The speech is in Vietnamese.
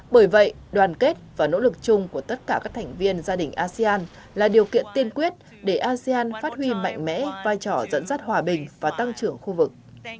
bởi vậy đoàn kết và nỗ lực chung của tất cả các thành viên gia đình asean là điều kiện tiên quyết để asean phát huy mạnh mẽ vai trò dẫn dắt hòa bình và tăng trưởng khu vực